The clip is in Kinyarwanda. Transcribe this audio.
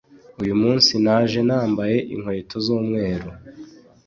uyu munsi naje nambaye inkweto zumweru